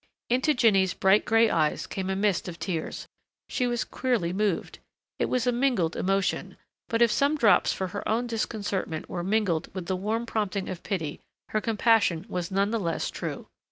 Into Jinny's bright gray eyes came a mist of tears. She was queerly moved. It was a mingled emotion, but if some drops for her own disconcertment were mingled with the warm prompting of pity, her compassion was none the less true.